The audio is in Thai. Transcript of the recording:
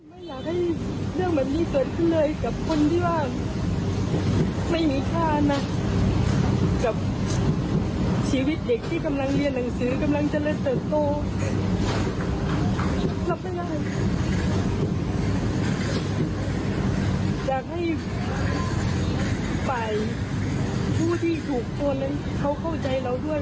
ผู้หญิงคนนี้คือเป็นแม่ของเด็กที่ถูกยิงนะคะแล้วก็เป็นลูกของคนขับรถกระบะด้วย